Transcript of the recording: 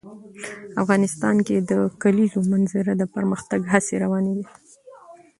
افغانستان کې د د کلیزو منظره د پرمختګ هڅې روانې دي.